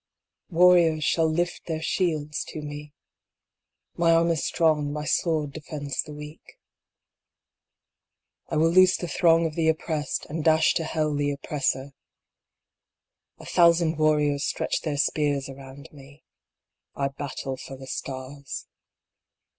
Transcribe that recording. Warriors shall lift their shields to me. My arm is strong, my sword defends the weak. I will loose the thong of the Oppressed, and dash to hell the Oppressor. A thousand warriors stretch their spears around me. I battle for the stars.